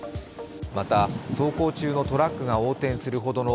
また走行中のトラックが横転するほどの